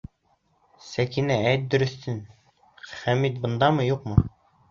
Сәкинә, әйт дөрөҫөн: Хәмит бындамы, юҡмы?